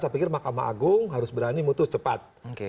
saya pikir mk harus berani mutus cepat